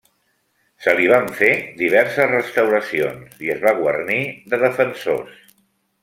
Se li van fer diverses restauracions i es va guarnir de defensors.